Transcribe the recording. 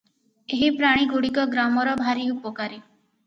ଏହି ପ୍ରାଣୀଗୁଡ଼ିକ ଗ୍ରାମର ଭାରି ଉପକାରୀ ।